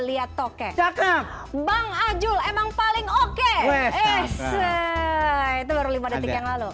itu baru lima detik yang lalu